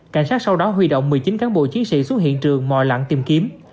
cảnh sát sau đó huy động một mươi chín cán bộ chiến sĩ xuống hiện trường mò lặn tìm kiếm